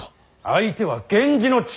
相手は源氏の血筋。